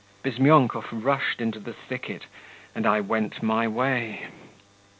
Bizmyonkov rushed into the thicket, and I went my way.